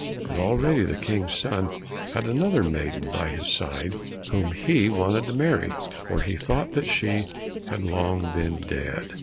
But, already the King's son had another maiden by his side whom he wanted to marry, for he thought that she had long been dead.